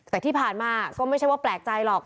แต่ที่ผ่านมาก็ไม่ใช่ว่าแปลกใจหรอก